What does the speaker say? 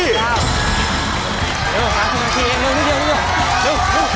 เร็วเร็วเร็ว